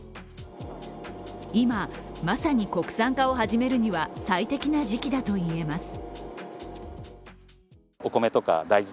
今、まさに国産化を始めるには最適な時期だといえます。